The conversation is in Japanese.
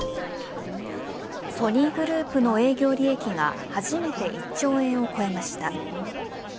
ソニーグループの営業利益が初めて１兆円を超えました。